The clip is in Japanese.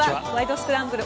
スクランブル」